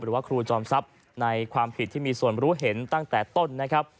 หรือว่าครูจอมทรัพย์ในความผิดที่มีส่วนรู้เห็นตั้งแต่ต้นนะครับ